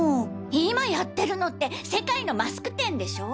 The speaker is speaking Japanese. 今やってるのって世界のマスク展でしょ？